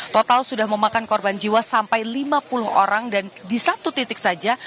total sudah memakan korban jiwa sampai lima puluh orang dan di satu titik saja